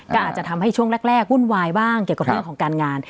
ก็อาจจะทำให้ช่วงแรกวุ่นวายบ้างเกี่ยวกับเรื่องของการงาน